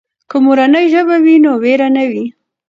که مورنۍ ژبه وي نو وېره نه وي.